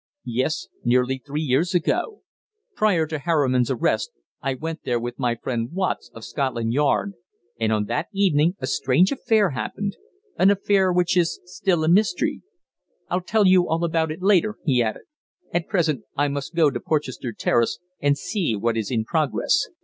"Yes, nearly three years ago. Prior to Harriman's arrest, I went there with my friend Watts, of Scotland Yard, and on that evening a strange affair happened an affair which is still a mystery. I'll tell you all about it later," he added. "At present I must go to Porchester Terrace and see what is in progress.